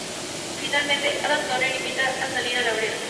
Finalmente, Adam Donner invita a salir a Laurel.